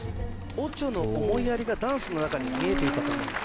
オチョの思いやりがダンスの中に見えていたと思います